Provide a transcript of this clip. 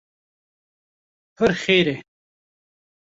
pir xêr e